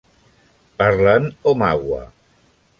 Parlen Omagua.